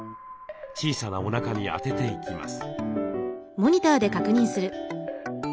小さなおなかに当てていきます。